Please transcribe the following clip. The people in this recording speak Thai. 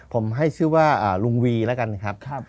ผมให้ชื่อว่าลุงวีแล้วกันครับ